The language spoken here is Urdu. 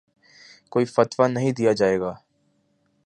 کوئی فتویٰ نہیں دیا جائے گا